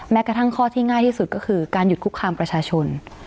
กระทั่งข้อที่ง่ายที่สุดก็คือการหยุดคุกคามประชาชน